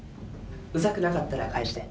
うざくなかったら返して。